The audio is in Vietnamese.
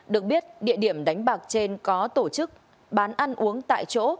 được biết địa điểm đánh bạc trên có tổ chức bán ăn uống tại chỗ